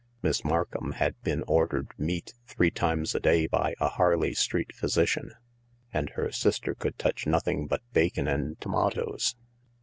Miss Markham had been ordered meat three times a day by a Harley Street physician, and hersistercould touch nothing but bacon and tomatoes.